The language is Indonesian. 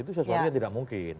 itu sesuatu yang tidak mungkin